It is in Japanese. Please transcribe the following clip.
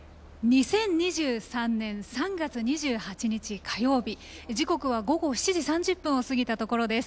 ２０２３年３月２８日、火曜日時刻は午後７時３０分を過ぎたところです。